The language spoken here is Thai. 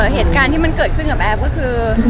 เหตุการณ์ที่มันเกิดขึ้นกับแอฟก็คือ